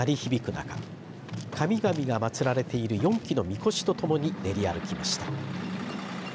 中神々が祭られている４基のみこしとともに練り歩きました。